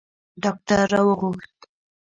ډاکتر را وغوښت.